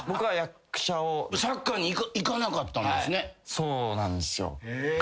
そうなんですよ。